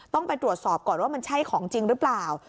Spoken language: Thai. ต้องไปตรวจสอบก่อนว่ามันใช่ของจริงหรือเปล่า